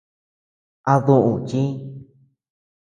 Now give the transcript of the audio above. ¿A duʼu chíʼ?